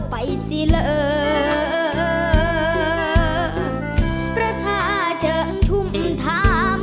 ผู้พันธุ์เบื้องฝา